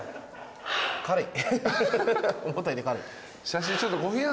軽い。